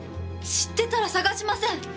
知ってたら捜しません！